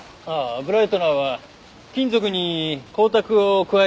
ブライトナーは金属に光沢を加える薬剤の事だ。